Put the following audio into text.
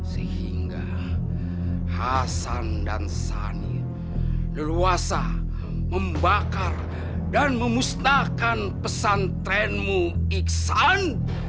sehingga hasan dan sani leluasa membakar dan memusnahkan pesantrenmu iksan